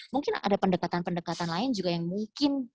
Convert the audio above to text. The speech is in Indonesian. mungkin ada pendekatan pendekatan lain juga yang mungkin